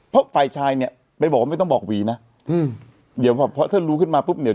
เพราะฝ่ายชายเนี่ยไปบอกว่าไม่ต้องบอกหวีนะอืมเดี๋ยวพอถ้ารู้ขึ้นมาปุ๊บเนี่ย